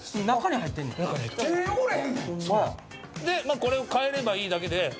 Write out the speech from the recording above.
でこれを換えればいいだけで。